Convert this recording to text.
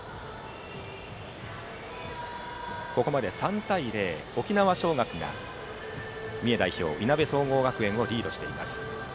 ここまで３対０、沖縄尚学が三重代表・いなべ総合学園をリードしています。